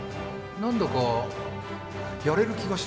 なんだかやれる気がしてきた。